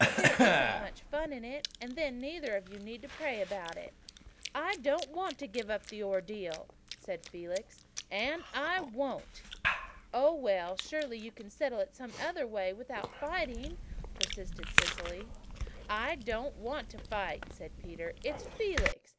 There isn't much fun in it. And then neither of you need pray about it." "I don't want to give up the Ordeal," said Felix, "and I won't." "Oh, well, surely you can settle it some way without fighting," persisted Cecily. "I'm not wanting to fight," said Peter. "It's Felix.